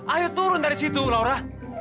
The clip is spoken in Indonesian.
ayo turun dari situ laura